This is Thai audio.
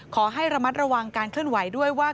ขอให้ระมัดระวังการเคลื่อนไหวด้วยว่า